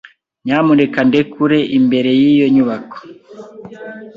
Nyamuneka ndekure imbere y'iyo nyubako.